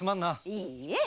いいえ。